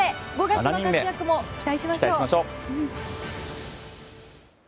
５月の活躍も期待しましょう。